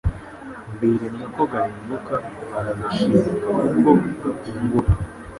Birinda ko gahinguka Baragashingura kuko gakungura